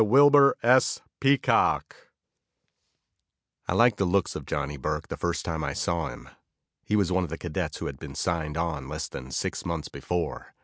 I liked the looks of Johnny Burke the first time I saw him. He was one of the cadets who had been signed on less than six months before.